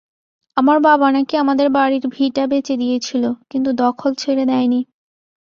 আমার বাবা নাকি আমাদের বাড়ির ভিটা বেচে দিয়েছিল, কিন্তু দখল ছেড়ে দেয়নি।